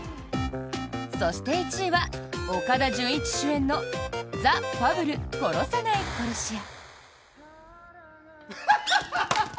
そして１位は、岡田准一主演の「ザ・ファブル殺さない殺し屋」。